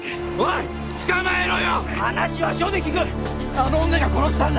あの女が殺したんだ。